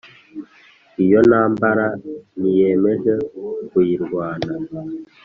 iyo ntambara niyemeje kuyirwana,